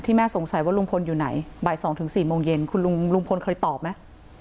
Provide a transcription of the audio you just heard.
แม่สงสัยว่าลุงพลอยู่ไหนบ่าย๒๔โมงเย็นคุณลุงลุงพลเคยตอบไหม